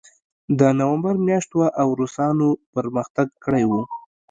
د نومبر میاشت وه او روسانو پرمختګ کړی و